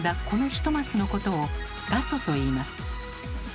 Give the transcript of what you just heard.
この１マスのことを「画素」といいます。